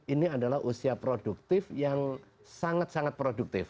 ini adalah usia produktif yang sangat sangat produktif